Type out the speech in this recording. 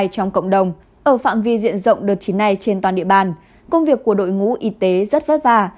trong cộng đồng ở phạm vi diện rộng đợt chín này trên toàn địa bàn công việc của đội ngũ y tế rất vất vả